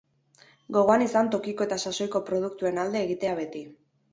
Gogoan izan tokiko eta sasoiko produktuen alde egitea beti.